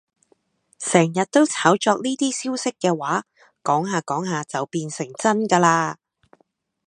成日都炒作呢啲消息嘅話，講下講下就變成真㗎喇